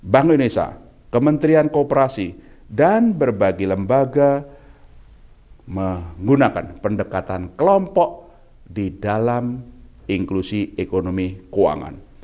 bank indonesia kementerian kooperasi dan berbagai lembaga menggunakan pendekatan kelompok di dalam inklusi ekonomi keuangan